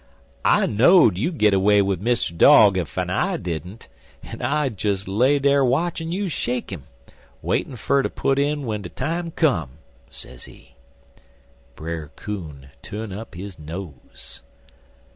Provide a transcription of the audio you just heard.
'I know'd you'd git away wid Mr. Dog ef I didn't, en I des lay dar watchin' you shake him, waitin' fer ter put in w'en de time come,' sezee. "Brer Coon tu'n up his nose.